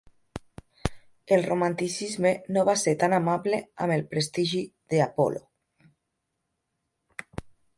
El Romanticisme no va ser tan amable amb el prestigi de "Apolo".